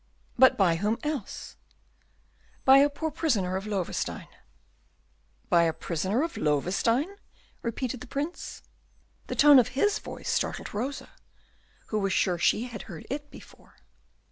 "But by whom else?" "By a poor prisoner of Loewestein." "By a prisoner of Loewestein?" repeated the Prince. The tone of his voice startled Rosa, who was sure she had heard it before.